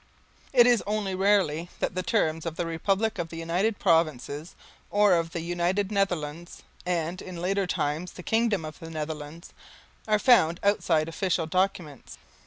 It is only rarely that the terms the Republic of the United Provinces, or of the United Netherlands, and in later times the Kingdom of the Netherlands, are found outside official documents.